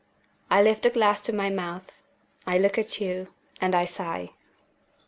I lift the glass to my mouth, I look at you, and I sigh.